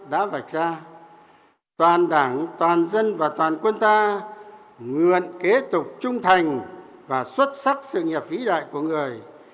đã vạch ra toàn đảng toàn dân và toàn quân ta nguyện kế tục trung thành và xuất sắc sự nghiệp vĩ đại của người